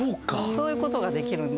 そういう事ができるんで。